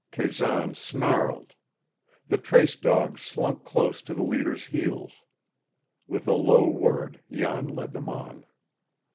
Kazan snarled. The trace dogs slunk close to the leader's heels. With a low word Jan led them on.